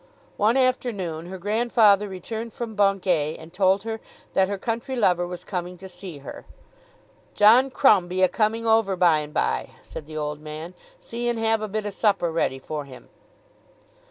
One afternoon her grandfather returned from Bungay and told her that her country lover was coming to see her. "John Crumb be a coming over by and by," said the old man. "See and have a bit o' supper ready for him."